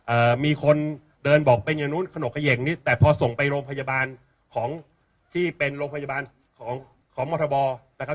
เอ่อมีคนเดินบอกเป็นอย่างนู้นขนกเขย่งนี้แต่พอส่งไปโรงพยาบาลของที่เป็นโรงพยาบาลของของมธบนะครับ